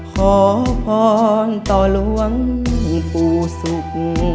ขอพรต่อหลวงปู่ศุกร์